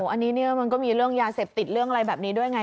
อันนี้มันก็มีเรื่องยาเสพติดเรื่องอะไรแบบนี้ด้วยไง